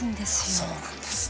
あそうなんですね。